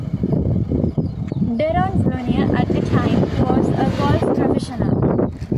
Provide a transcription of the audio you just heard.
Deron Junior at the time, was a golf professional.